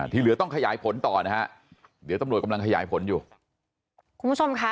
ที่เหลือต้องขยายผลต่อนะฮะเดี๋ยวตำรวจกำลังขยายผลอยู่